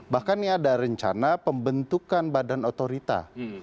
bahkan ini ada rencana pembentukan badan otorita